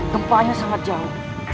gempanya sangat jauh